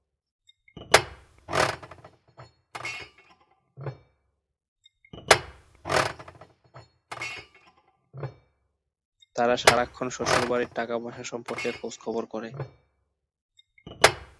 তারা সারাক্ষণ শ্বশুরবাড়ির টাকাপয়সা সম্পর্কে খোঁজখবর করে।